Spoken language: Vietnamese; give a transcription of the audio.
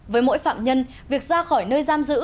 với mỗi phạm nhân việc ra khỏi nơi giam giữ